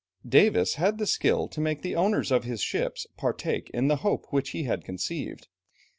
Davis had the skill to make the owners of his ships partake in the hope which he had conceived.